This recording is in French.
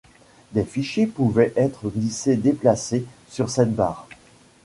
Des fichiers pouvaient être glissés-déplacés sur cette barre.